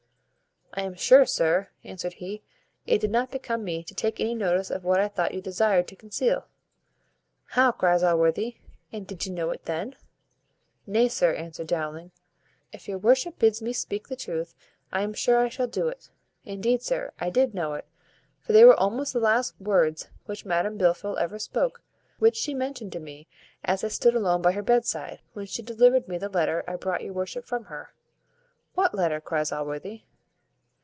"I am sure, sir," answered he, "it did not become me to take any notice of what I thought you desired to conceal." "How!" cries Allworthy, "and did you know it then?" "Nay, sir," answered Dowling, "if your worship bids me speak the truth, I am sure I shall do it. Indeed, sir, I did know it; for they were almost the last words which Madam Blifil ever spoke, which she mentioned to me as I stood alone by her bedside, when she delivered me the letter I brought your worship from her." "What letter?" cries Allworthy.